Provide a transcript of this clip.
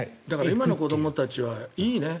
今の子どもたちはいいね。